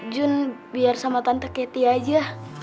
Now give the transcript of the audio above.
jun biar sama tante keti aja